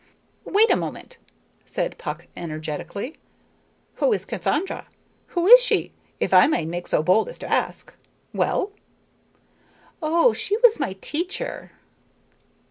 "Wait a moment!" said Puck energetically. "Who is Cassandra? Who is she, if I may make so bold as to ask? Well?" "Oh, she was my teacher."